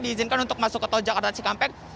diizinkan untuk masuk ke tol jakarta cikampek